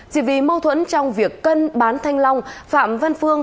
chỉ vì mâu thuẫn trong việc cân bán thanh long phạm văn phương